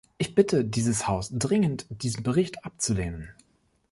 Ich bitte dieses Haus dringend, diesen Bericht abzulehnen.